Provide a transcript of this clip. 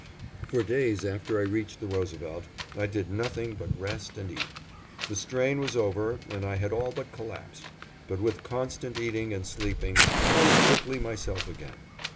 For days after I reached the Roosevelt, I did nothing but rest and eat. The strain was over and I had all but collapsed, but with constant eating and sleeping, I was quickly myself again.